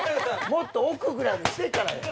もっと奥ぐらいにしてからや。